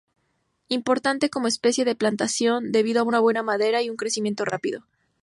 Importante como especie de plantación, debido a una buena madera y un crecimiento rápido.